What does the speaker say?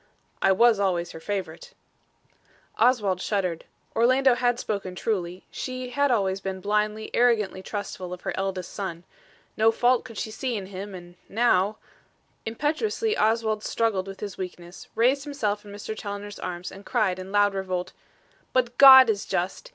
"I was always her favourite." Oswald shuddered. Orlando had spoken truly; she had always been blindly, arrogantly trustful of her eldest son. No fault could she see in him; and now Impetuously Oswald struggled with his weakness, raised himself in Mr. Challoner's arms and cried in loud revolt: "But God is just.